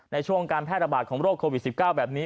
ในช่วงการแพร่ระบาดของโรคโควิด๑๙แบบนี้